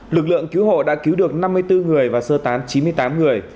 lực lượng cứu hộ đã cứu được năm mươi bốn người và sơ tán chín mươi tám người